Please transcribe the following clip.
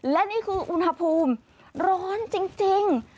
และนี่คืออุณหภูมิร้อนจริง